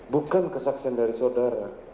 bukan kesaksian dari saudara